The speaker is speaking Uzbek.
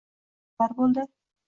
Keyin nimalar bo`ldi